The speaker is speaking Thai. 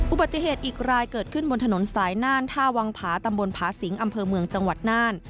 อุบัติเหตุอีกรายเกิดขึ้นบนถนนสายน่านท่าวังผาตำบลผาสิงอำเภอเมืองจังหวัดน่าน